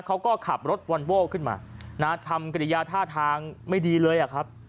เขาก็ขับรถวอนโว้ขึ้นมานะทำกริยาท่าทางไม่ดีเลยอะครับ